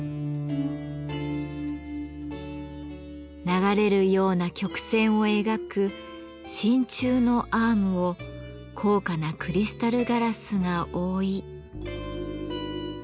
流れるような曲線を描く真鍮のアームを高価なクリスタルガラスが覆い。